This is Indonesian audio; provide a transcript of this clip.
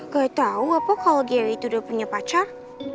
gak tau apa kalo gary itu udah punya pacar